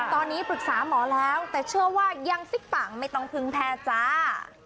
ตอนนี้ปรึกษาหมอแล้วแต่เชื่อว่ายังซิกปังไม่ต้องพึ่งแพทย์จ้า